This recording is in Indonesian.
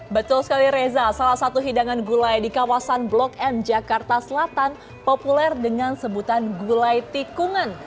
betul sekali reza salah satu hidangan gulai di kawasan blok m jakarta selatan populer dengan sebutan gulai tikungan